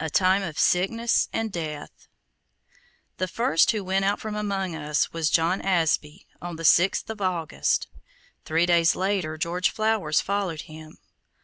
A TIME OF SICKNESS AND DEATH The first who went out from among us, was John Asbie, on the sixth of August. Three days later George Flowers followed him.